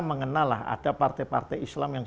mengenal lah ada partai partai islam yang